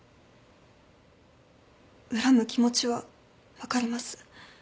恨む気持ちは分かります。